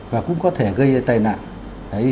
và cũng có thể gây tai nạn